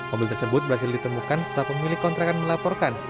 mobil tersebut berhasil ditemukan setelah pemilik kontrakan melaporkan